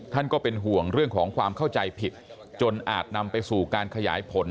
ก็เป็นห่วงเรื่องของความเข้าใจผิดจนอาจนำไปสู่การขยายผล